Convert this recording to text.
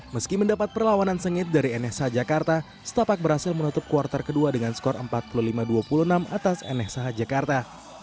meski mendapat perlawanan sengit dari nsh jakarta setapak berhasil menutup kuartal kedua dengan skor empat puluh lima dua puluh enam atas nsh jakarta